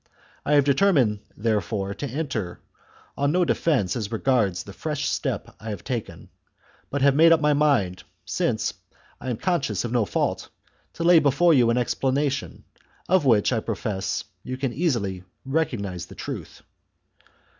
I have determined, therefore, to enter on no defence as regards the fresh step I have taken, but have made up my mind, since I am conscious of no fault, to lay before you an explanation, of which, I profess, you can easily recognise the truth.